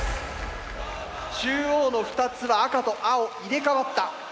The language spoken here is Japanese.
中央の２つは赤と青入れ代わった。